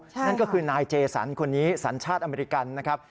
นั่นก็คือนายเจสันคนนี้สัญชาติอเมริกันนะครับ